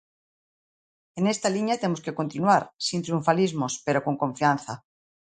E nesta liña temos que continuar, sen triunfalismos, pero con confianza.